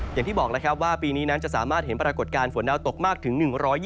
อย่างที่บอกแล้วครับว่าปีนี้นั้นจะสามารถเห็นปรากฏการณ์ฝนดาวตกมากถึง๑๒๐